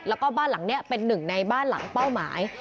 แล้วก็บ้านหลังนี้เป็นหนึ่งในบ้านหลังเป้าหมาย